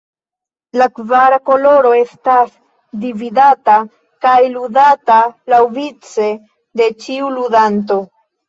La kvara koloro estas dividata, kaj ludata laŭvice de ĉiu ludanto.